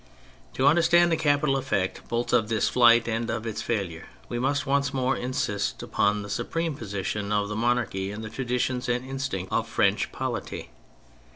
To understand the capital effect both of this flight and of its failure, we must once more insist upon the supreme position of the monarchy in the traditions and instinct of French polity.